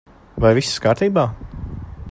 Vai viss kārtībā?